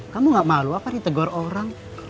kamu gak malu apa ditegur orang